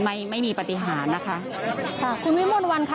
ไม่มีปฏิหารนะคะค่ะคุณวิมนต์วันค่ะ